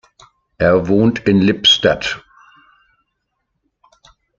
Er wohnt in Lippstadt.